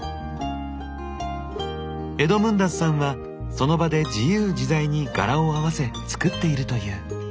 エドムンダスさんはその場で自由自在に柄を合わせ作っているという。